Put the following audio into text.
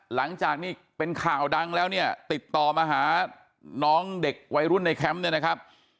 หลังจากนี่เป็นข่าวดังแล้วเนี่ยติดต่อมาหาน้องเด็กวัยรุ่นในแคมป์เนี่ยนะครับ